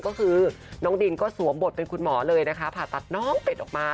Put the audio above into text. ก็คือน้องดินก็สวมบทเป็นคุณหมอเลยนะคะผ่าตัดน้องเป็ดออกมา